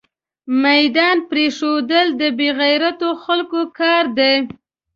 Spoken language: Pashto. ميدان پريښودل دبې غيرتو خلکو کار ده